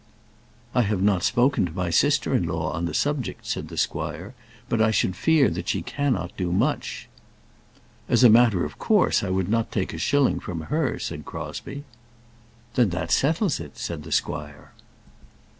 "I have not spoken to my sister in law on the subject," said the squire; "but I should fear that she cannot do much." "As a matter of course, I would not take a shilling from her," said Crosbie. "Then that settles it," said the squire.